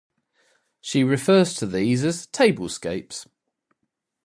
She refers to these as "tablescapes".